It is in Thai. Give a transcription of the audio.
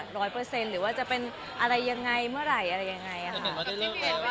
ร้อยเปอร์เซ็นต์หรือว่าจะเป็นอะไรยังไงเมื่อไหร่อะไรยังไงค่ะ